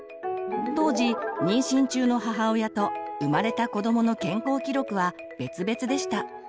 当時妊娠中の母親と生まれた子どもの健康記録は別々でした。